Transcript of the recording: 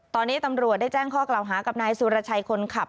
ตอนนี้ตำรวจได้แจ้งข้อกล่าวหากับนายสุรชัยคนขับ